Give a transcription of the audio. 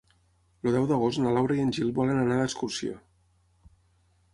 El deu d'agost na Laura i en Gil volen anar d'excursió.